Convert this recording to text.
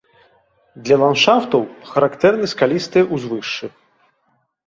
Для ландшафтаў характэрны скалістыя ўзвышшы.